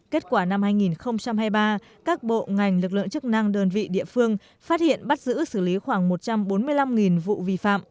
kết quả năm hai nghìn hai mươi ba các bộ ngành lực lượng chức năng đơn vị địa phương phát hiện bắt giữ xử lý khoảng một trăm bốn mươi năm vụ vi phạm